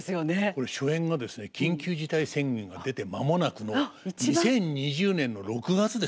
これ初演がですね緊急事態宣言が出て間もなくの２０２０年の６月ですから。